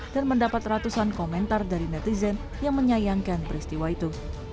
dan mendapat ratusan komentar dari netizen yang menyayangkan peristiwa itu